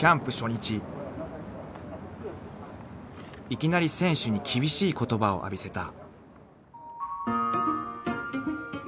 ［いきなり選手に厳しい言葉を浴びせた］